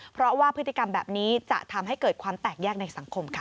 เพราะว่าพฤติกรรมแบบนี้จะทำให้เกิดความแตกแยกในสังคมค่ะ